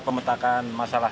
seperti apa sih